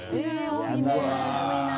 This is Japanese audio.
多いな！